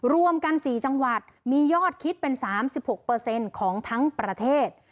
รวมกัน๔จังหวัดมียอดคิดเป็น๓๖ของทั้งประเทศ